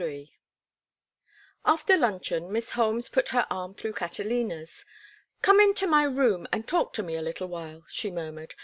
XXIII After luncheon Miss Holmes put her arm through Catalina's. "Come into my room and talk to me a little while," she murmured.